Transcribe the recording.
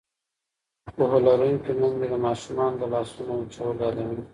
پوهه لرونکې میندې د ماشومانو د لاسونو وچول یادوي.